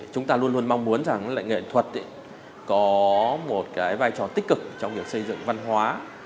chúng ta luôn luôn mong muốn rằng nghệ thuật có một cái vai trò tích cực trong việc xây dựng văn hóa